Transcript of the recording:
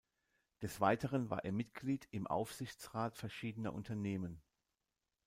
Des Weiteren war er Mitglied im Aufsichtsrat verschiedener Unternehmen.